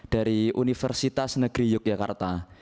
dari universitas negeri yogyakarta